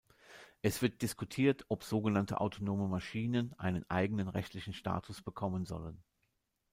Es wird diskutiert, ob so genannte autonome Maschinen einen eigenen rechtlichen Status bekommen sollen.